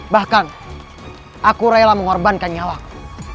bahkan aku rela mengorbankan nyawaku